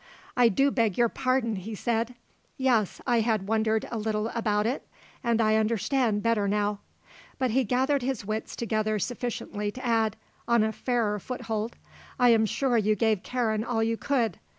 "I do beg your pardon," he said. "Yes; I had wondered a little about it; and I understand better now." But he gathered his wits together sufficiently to add, on a fairer foothold: "I am sure you gave Karen all you could.